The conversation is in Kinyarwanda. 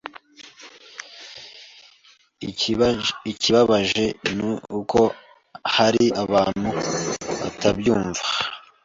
Ikibabaje ni uko hari abantu batabyumva